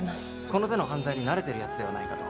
この手の犯罪に慣れてるやつじゃないかと。